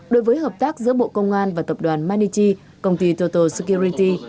đối với hợp tác giữa bộ công an và tập đoàn manichi công ty toto security